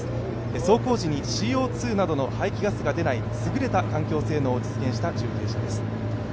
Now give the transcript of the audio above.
走行時に、ＣＯ２などの排気ガスが出ない優れた環境性能を実現した中継車です。